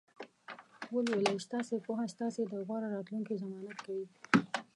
ولولئ! ستاسې پوهه ستاسې د غوره راتلونکي ضمانت کوي.